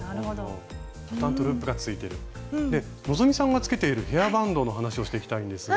で希さんがつけているヘアバンドの話をしていきたいんですが。